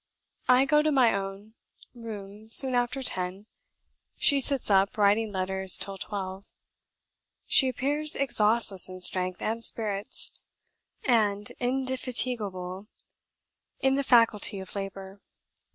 I go to my own room soon after ten, she sits up writing letters till twelve. She appears exhaustless in strength and spirits, and indefatigable in the faculty of labour.